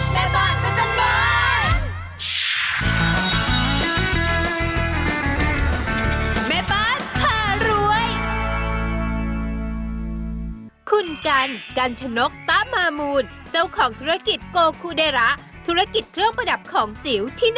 แม่บ้านพระจันทร์บ้าน